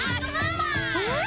えっ？